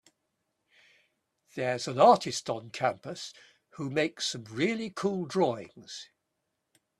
There’s an artist on campus who makes some really cool drawings.